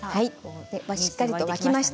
しっかりと沸きました。